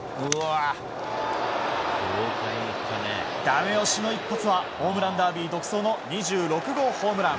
ダメ押しの一発はホームランダービー独走の２６号ホームラン。